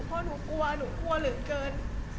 เพราะหนูกลัวหนูกลัวเหลือเกิน